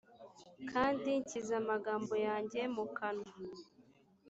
kandi nshyize amagambo yanjye mu kanwa